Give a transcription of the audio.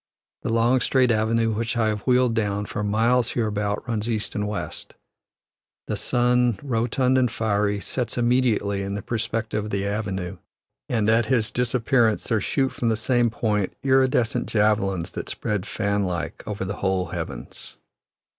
The long, straight avenue which I have wheeled down, for miles hereabout runs east and west. The sun, rotund and fiery, sets immediately in the perspective of the avenue; and at his disappearance there shoot from the same point iridescent javelins that spread, fan like, over the whole heavens.